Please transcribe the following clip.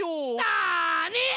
なに！？